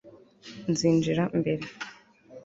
Nzinjira mbere